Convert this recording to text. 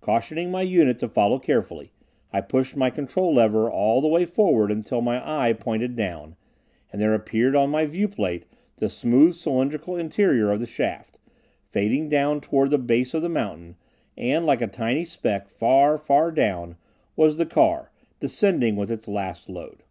Cautioning my unit to follow carefully, I pushed my control lever all the way forward until my "eye" pointed down, and there appeared on my viewplate the smooth cylindrical interior of the shaft, fading down toward the base of the mountain, and like a tiny speck, far, far down, was the car, descending with its last load.